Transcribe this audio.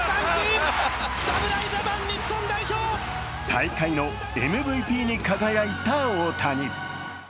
大会のＭＶＰに輝いた大谷。